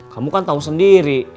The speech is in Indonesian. kamu kan tau sendiri